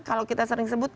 kalau kita sering sebut